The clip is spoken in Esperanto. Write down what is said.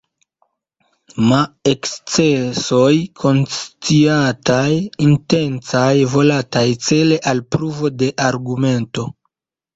Ma ekscesoj konsciataj, intencaj, volataj, cele al pruvo de argumento.